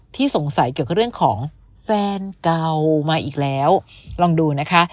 สงสัยเกี่ยวกับเรื่องของแฟนเก่ามาอีกแล้วลองดูนะคะ